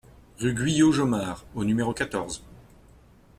Rue Guyot Jomard au numéro quatorze